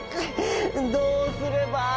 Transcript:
どうすれば。